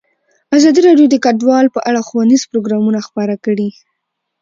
ازادي راډیو د کډوال په اړه ښوونیز پروګرامونه خپاره کړي.